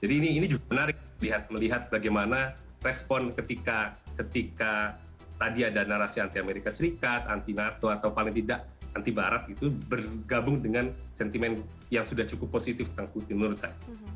jadi ini juga menarik melihat bagaimana respon ketika tadi ada narasi anti amerika serikat anti nato atau paling tidak anti barat itu bergabung dengan sentimen yang sudah cukup positif tentang putin menurut saya